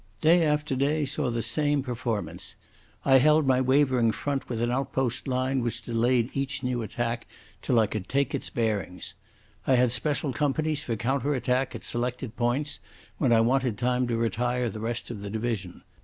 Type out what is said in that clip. Day after day saw the same performance. I held my wavering front with an outpost line which delayed each new attack till I could take its bearings. I had special companies for counter attack at selected points, when I wanted time to retire the rest of the division.